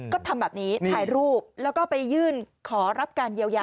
ก็ทำแบบนี้ถ่ายรูปแล้วก็ไปยื่นขอรับการเยียวยา